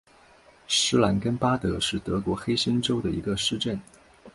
施兰根巴德是德国黑森州的一个市镇。